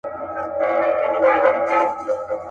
نوي یې راوړي تر اټکه پیغامونه دي.